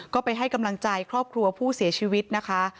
ก็ไปให้กำลังใจครอบครัวผู้เสียชีวิตนะคะ